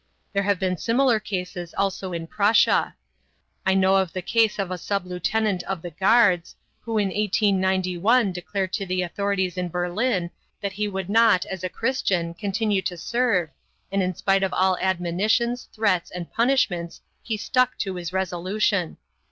There have been similar cases also in Prussia. I know of the case of a sub lieutenant of the Guards, who in 1891 declared to the authorities in Berlin that he would not, as a Christian, continue to serve, and in spite of all admonitions, threats, and punishments he stuck to his resolution.